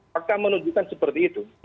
fakta menunjukkan seperti itu